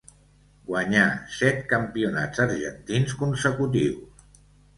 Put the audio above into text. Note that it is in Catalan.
Guanyà set campionats argentins consecutius.